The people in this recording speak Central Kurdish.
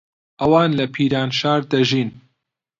ئەوان لە پیرانشار دەژین.